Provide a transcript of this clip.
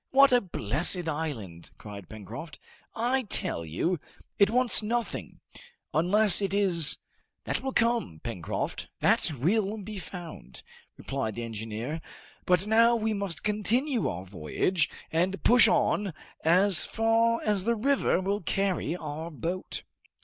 What a blessed island!" cried Pencroft. "I tell you, it wants nothing unless it is " "That will come, Pencroft, that will be found," replied the engineer; "but now we must continue our voyage and push on as far as the river will carry our boat!"